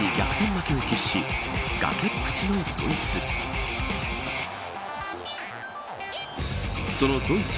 負けを喫し崖っぷちのドイツ。